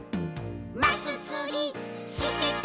「マスツリしてた」